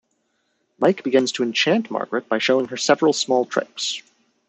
Mike begins to enchant Margaret by showing her several small tricks.